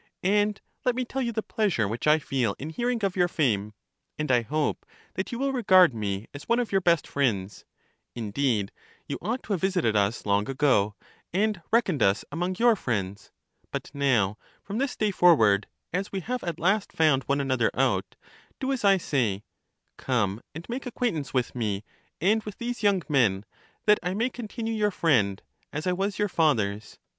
And let me tell you the pleasure which I feel in hearing of your fame; and I hope that you will regard me as one of your best friends; indeed you ought to have visited us long ago, and reckoned us among your friends ; but now, from this day forward, as we have at last found one another out, do as I say — come and make acquaintance with me, and with these young men, that I may continue your friend, as I was your father's.